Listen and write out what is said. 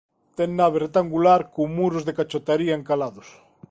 Ten nave rectangular con muros de cachotaría encalados.